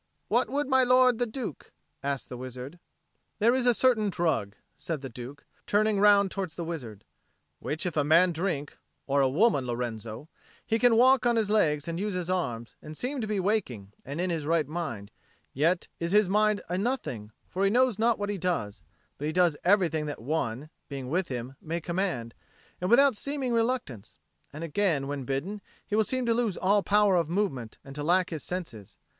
"What would my lord the Duke?" asked the wizard. "There is a certain drug," said the Duke, turning round towards the wizard, "which if a man drink or a woman, Lorenzo he can walk on his legs and use his arms, and seem to be waking and in his right mind; yet is his mind a nothing, for he knows not what he does, but does everything that one, being with him, may command, and without seeming reluctance; and again, when bidden, he will seem to lose all power of movement, and to lack his senses.